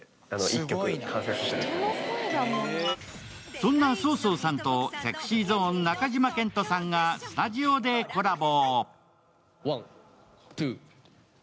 そんな ＳＯ−ＳＯ さんと ＳｅｘｙＺｏｎｅ ・中島健人さんがスタジオでコラボ。